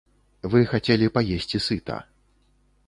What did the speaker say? Вы хацелі паесці сыта.